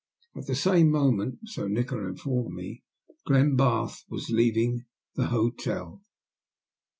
At the same moment, so Nikola informed me, Glenbarth was leaving the hotel.